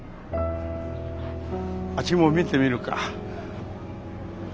あっちも見てみるか。